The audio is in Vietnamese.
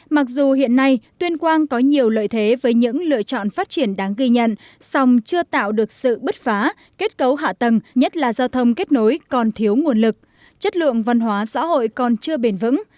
mặc dù hiện nay tuyên quang có nhiều lợi thế với những lựa chọn phát triển đáng ghi nhận song chưa tạo được sự bứt phá kết cấu hạ tầng nhất là giao thông kết nối còn thiếu nguồn lực chất lượng văn hóa xã hội còn chưa bền vững